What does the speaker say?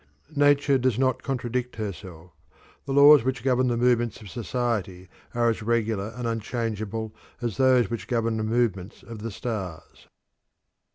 Nature does not contradict herself; the laws which govern the movements of society are as regular and unchangeable as those which govern the movements of the stars.